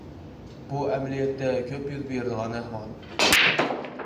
بۇ ئەمەلىيەتتە كۆپ يۈز بېرىدىغان ئەھۋال.